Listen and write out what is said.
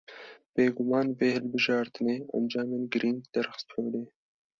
Bê guman vê hilbijartinê, encamên girîng derxist holê